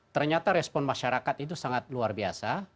ternyata respon masyarakat itu sangat luar biasa